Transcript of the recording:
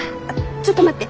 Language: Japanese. ちょっと待って！